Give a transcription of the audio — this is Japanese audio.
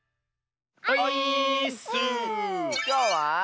きょうは。